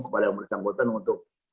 kepada bersangkutan untuk